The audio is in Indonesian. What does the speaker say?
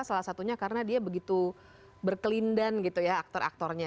salah satunya karena dia begitu berkelindan gitu ya aktor aktornya